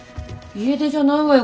家出じゃないわよ